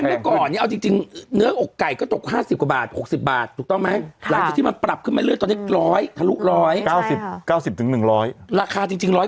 เมื่อก่อนเนื้ออกไก่ก็ตก๕๐๖๐บาทหลายที่มันปรับขึ้นมาเรื่อยตอนนี้ถูกร้อย